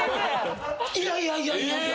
いやいやいやいや